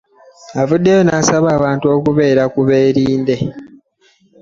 Avuddeyo n'asaba abantu okubeera ku beerinde